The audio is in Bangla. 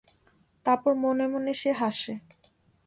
তারপর মনে মনে সে হাসে।